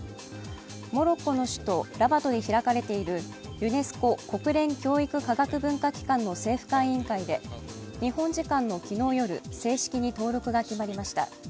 モロッコの首都ラバトで開かれているユネスコ＝国連教育科学文化機関の政府間委員会で、日本時間の昨日夜正式に登録が決まりました。